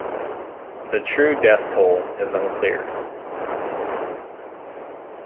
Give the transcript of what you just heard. The true death toll is unclear.